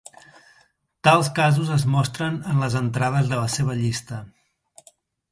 Tals casos es mostren en les entrades de la seva llista.